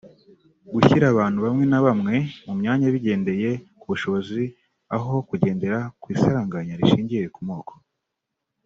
-gushyira abantu bamwe na bamwe mu myanya bigendeye ku bushobozi aho kugendera kw’isaranganya rishingiye ku moko